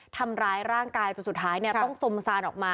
ทำร้ายร่างกายจนสุดท้ายต้องสมซานออกมา